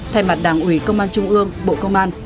thay mặt đảng ủy công an trung ương bộ công an